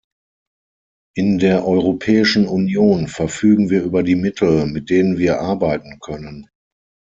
In der Europäischen Union verfügen wir über die Mittel, mit denen wir arbeiten können.